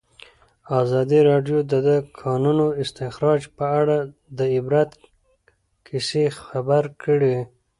ازادي راډیو د د کانونو استخراج په اړه د عبرت کیسې خبر کړي.